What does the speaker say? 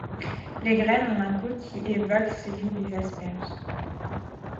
Les graines ont un goût qui évoque celui des asperges.